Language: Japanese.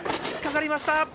引っかかりました。